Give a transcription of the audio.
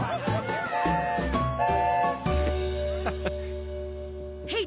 ハハハッ。